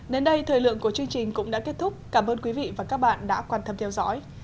đến đây thời lượng của chương trình cũng đã kết thúc cảm ơn quý vị và các bạn đã quan tâm theo dõi